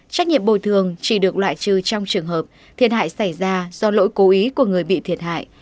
trách nhiệm bồi thường chỉ được loại trừ trong trường hợp thiệt hại xảy ra do lỗi cố ý của người bị thiệt hại